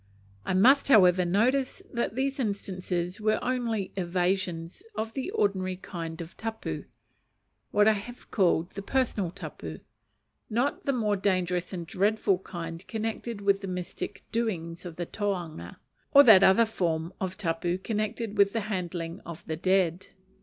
I must, however, notice that these instances were only evasions of the ordinary kind of tapu, what I have called the personal tapu; not the more dangerous and dreadful kind connected with the mystic doings of the tohunga, or that other form of tapu connected with the handling of the dead.